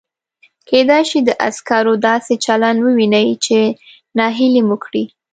کېدای شي د عسکرو داسې چلند ووینئ چې نهیلي مو کړي.